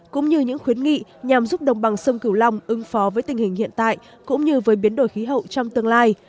cũng như những khuyến nghị nhằm giúp đồng bằng sông cửu long ứng phó với tình hình hiện tại cũng như với biến đổi khí hậu trong tương lai